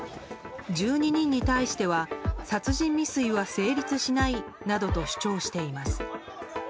１２人に対しては殺人未遂は成立しないなどと主張しています。